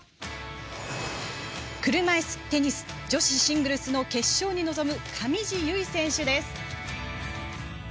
車いすテニス女子シングルスの決勝に臨む上地結衣選手です。